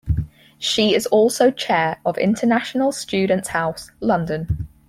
She is also Chair of International Students House, London.